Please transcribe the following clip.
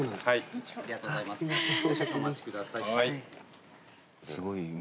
はい。